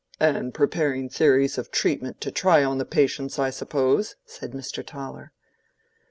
"And preparing theories of treatment to try on the patients, I suppose," said Mr. Toller.